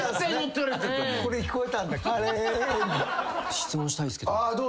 質問したいんすけど。